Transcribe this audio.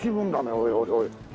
おいおい。